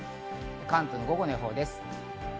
関東の午後の予報です。